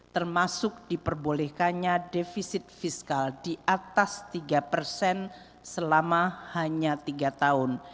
termasuk diperbolehkannya defisit fiskal di atas tiga persen selama hanya tiga tahun